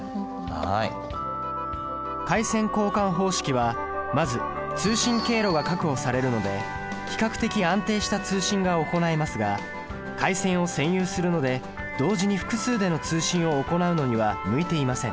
回線交換方式はまず通信経路が確保されるので比較的安定した通信が行えますが回線を専有するので同時に複数での通信を行うのには向いていません。